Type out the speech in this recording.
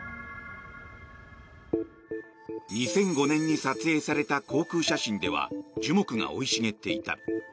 ２００５年に撮影された航空写真では樹木が生い茂っていた。